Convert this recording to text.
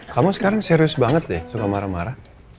kamu sekarang serius banget deh suka marah marah